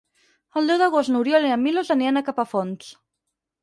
El deu d'agost n'Oriol i en Milos aniran a Capafonts.